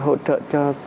hỗ trợ cho